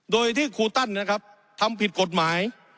โดยที่ครูตั้นทำผิดกฎหมาย